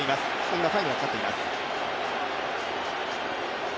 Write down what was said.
今、タイムがかかっています。